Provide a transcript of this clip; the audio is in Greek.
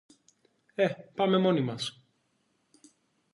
Ε, πάμε μόνοι μας!